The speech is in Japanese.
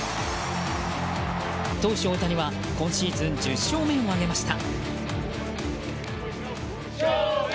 投手・大谷は今シーズン１０勝目を挙げました。